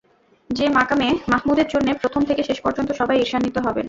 যে মাকামে মাহমূদের জন্যে প্রথম থেকে শেষ পর্যন্ত সবাই ঈর্ষান্বিত হবেন।